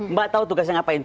mbak tahu tugasnya ngapain